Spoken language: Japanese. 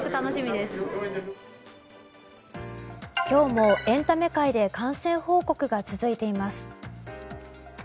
今日もエンタメ界で感染報告が続いています。